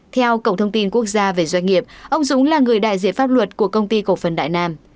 theo cổng thông tin quốc gia về doanh nghiệp ông dũng là người đại diện pháp luật của công ty cổ phần đại nam